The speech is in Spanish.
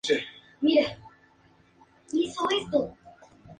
Suele conservarse mucho más tiempo tierno en comparación al resto de los panes.